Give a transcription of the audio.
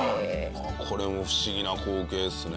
これも不思議な光景ですね。